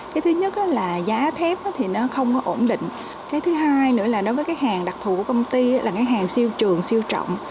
cái thứ nhất là giá thép thì nó không có ổn định cái thứ hai nữa là đối với cái hàng đặc thù của công ty là cái hàng siêu trường siêu trọng